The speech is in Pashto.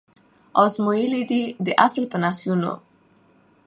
آزمیېلی دی دا اصل په نسلونو